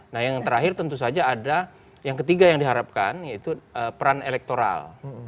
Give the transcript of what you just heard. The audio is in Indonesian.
nah yang terakhir tentu saja ada yang ketiga yang diharapkan yaitu peran elektoral